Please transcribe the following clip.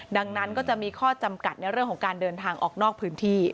ดังนั้นก็จะมีข้อจำกัดในเรื่องของการเดินทางออกนอกพื้นที่